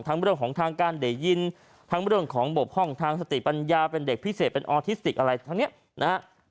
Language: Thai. เรื่องของทางการได้ยินทั้งเรื่องของบกห้องทางสติปัญญาเป็นเด็กพิเศษเป็นออทิสติกอะไรทั้งนี้นะฮะ